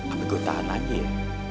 ampe gue tahan aja ya